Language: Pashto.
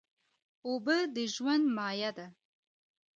اوبه د ژوند مایه ده.